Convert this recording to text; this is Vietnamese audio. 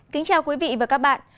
kính chào quý vị và các bạn